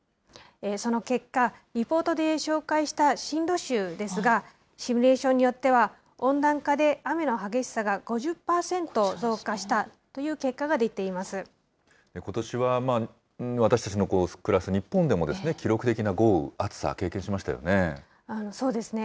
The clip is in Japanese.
その結果、リポートで紹介したシンド州ですが、シミュレーションによっては温暖化で雨の激しさが５０％増加したことしは私たちの暮らす日本でも、記録的な豪雨、暑さ、経験しましたよね。